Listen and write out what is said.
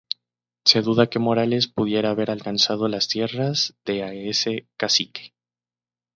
Se duda que Morales pudiera haber alcanzado las tierras de ese cacique.